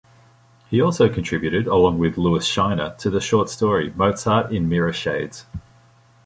He also contributed, along with Lewis Shiner, to the short story "Mozart in Mirrorshades".